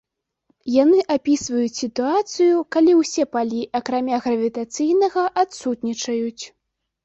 Яны апісваюць сітуацыю, калі ўсе палі, акрамя гравітацыйнага, адсутнічаюць.